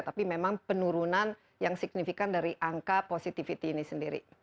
tapi memang penurunan yang signifikan dari angka positivity ini sendiri